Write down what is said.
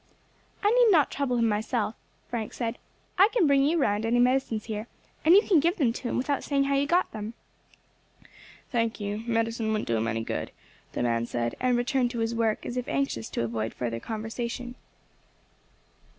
"I need not trouble him myself," Frank said; "I can bring you round any medicines here, and you can give them to him without saying how you got them." "Thank you; medicine wouldn't do him any good," the man said, and resumed his work as if anxious to avoid further conversation.